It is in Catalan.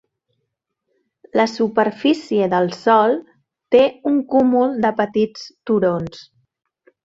La superfície del sòl té un cúmul de petits turons.